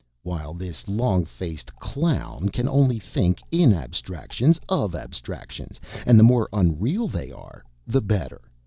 While this long faced clown can only think in abstractions of abstractions, and the more unreal they are the better.